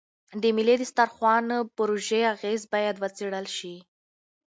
د ملي دسترخوان پروژې اغېز باید وڅېړل شي.